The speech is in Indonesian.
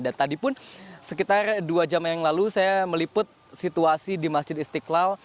dan tadi pun sekitar dua jam yang lalu saya meliput situasi di masjid istiqlal